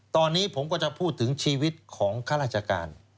ตอนนี้ผมก็จะพูดถึงชีวิตของข้าราชการ